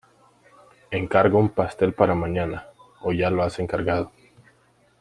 Encargo un pastel para mañana ¿o ya lo has encargado?